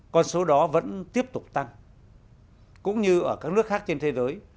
con số đó vẫn tiếp tục tăng cũng như ở các nước khác trên thế giới